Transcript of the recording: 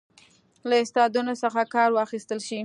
له استعدادونو څخه کار واخیستل شي.